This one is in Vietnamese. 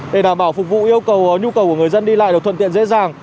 để đảm bảo phục vụ yêu cầu nhu cầu của người dân đi lại được thuận tiện dễ dàng